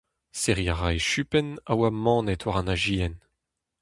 Serriñ a ra e chupenn a oa manet war an azezenn.